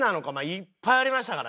いっぱいありましたからね。